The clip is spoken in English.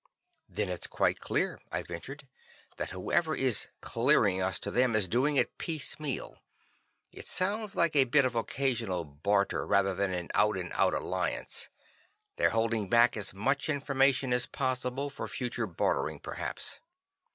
"Then it's quite clear," I ventured, "that whoever is 'clearing' us to them is doing it piecemeal. It sounds like a bit of occasional barter, rather than an out and out alliance. They're holding back as much information as possible for future bartering, perhaps."